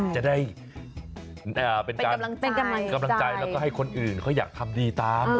จะได้เป็นการกำลังใจแล้วก็ให้คนอื่นเขาอยากทำดีตาม